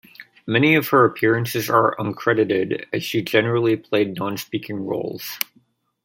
Many of her appearances are uncredited, as she generally played non-speaking roles.